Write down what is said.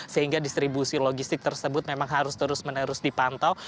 sehingga distribusi logistik tersebut memang harus terus menerus dipantau